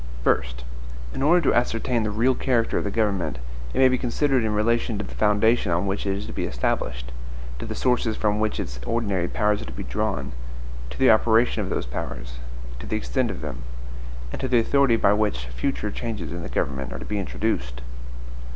First. In order to ascertain the real character of the government, it may be considered in relation to the foundation on which it is to be established; to the sources from which its ordinary powers are to be drawn; to the operation of those powers; to the extent of them; and to the authority by which future changes in the government are to be introduced.